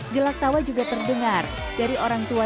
gelak tawa juga terdengar dari orang tua